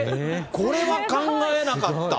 これは考えなかった。